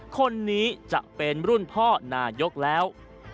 คนนี้จะเป็นรุ่นพ่อนายกแล้ว